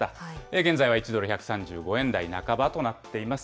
現在は１ドル１３５円台半ばとなっています。